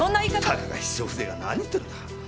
たかが秘書風情が何言ってるんだ。